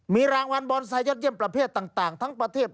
มีรางวัลบอลชายยอดเยี่ยมประเภทต่างทั้งประเทศ